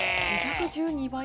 ２１２倍？